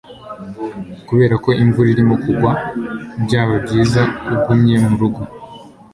kubera ko imvura irimo kugwa, byaba byiza ugumye murugo